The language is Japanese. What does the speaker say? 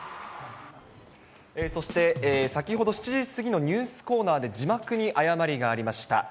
そして、先ほど７時過ぎのニュースコーナーで、字幕に誤りがありました。